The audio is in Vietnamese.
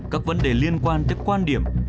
các vấn đề liên quan tới quan điểm